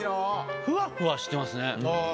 ふわふわしてますね。